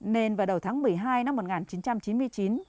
nên vào đầu tháng một mươi hai năm một nghìn chín trăm chín mươi chín